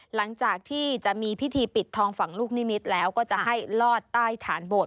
หลังจากที่จะมีพิธีปิดทองฝั่งลูกนิมิตรแล้วก็จะให้ลอดใต้ฐานโบสถ